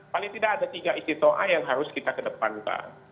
paling tidak ada tiga istiqoa yang harus kita kedepankan